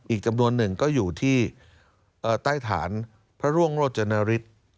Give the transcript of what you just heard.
อีกจำนวนหนึ่งก็อยู่ที่ใต้ฐานพระร่วงโรจนฤทธิ์